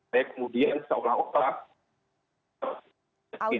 baik kemudian seolah olah